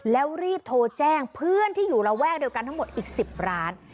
แล้วรีบโทรแจ้งเพื่อนที่อยู่ระแวกเดียวกันทั้งหมดอีก๑๐ร้าน